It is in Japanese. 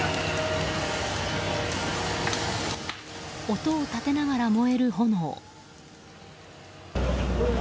音を立てながら燃える炎。